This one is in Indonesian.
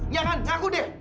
iya kan ngaku deh